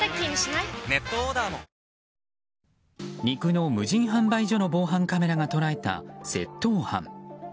肉の無人販売所の防犯カメラが捉えた窃盗犯。